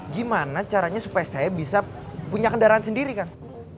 gimana caranya supaya saya bisa punya kendaraan sendiri kan